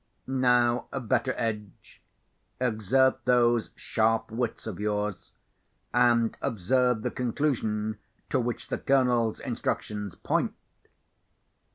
Now, Betteredge, exert those sharp wits of yours, and observe the conclusion to which the Colonel's instructions point!"